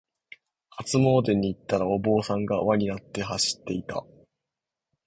初詣に行ったら、お坊さんが輪になって走っていた。